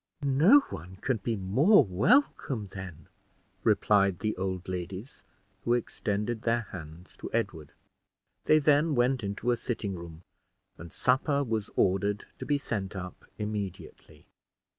"No one can be more welcome, then," replied the old ladies, who extended their hands to Edward. They then went into a sitting room, and supper was ordered to be sent up immediately.